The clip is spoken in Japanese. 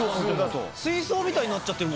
水槽みたいになっちゃってるもんね。